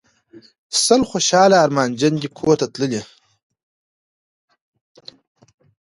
سل خوشحاله ارمانجن دي ګورته تللي